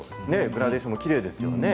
グラデーションもきれいですよね。